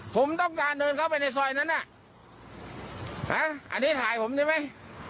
ผมต้องการเดินเข้าไปในซอยนั้นน่ะอันนี้ถ่ายผมได้ไหม